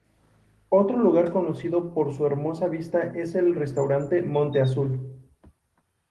Otro lugar conocido por su hermosa vista es el restaurante Monte Azul.